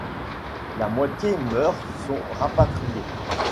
La moitié meurent, sont rapatriés.